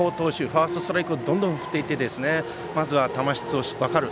ファーストストライクをどんどん振っていってまずは球質を分かる。